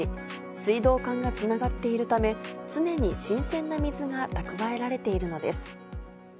水道管がつながっているため、常に新鮮な水が蓄えられているのです。